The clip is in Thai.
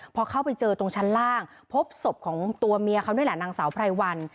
พอเข้าไปเจอตรงชั้นล่างพบศพของตัวเมียเขานี่แหละนางสาวไพรวัน